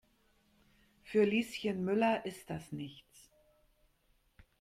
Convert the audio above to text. Für Lieschen Müller ist das nichts.